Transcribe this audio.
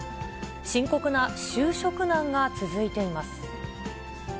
深刻な就職難が続いています。